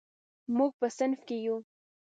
موږ په صنف کې یو.